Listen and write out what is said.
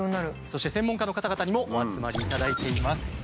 そして専門家の方々にもお集まりいただいています。